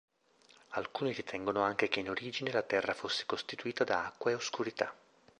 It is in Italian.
Alcuni ritengono anche che in origine la Terra fosse costituita da acqua e oscurità.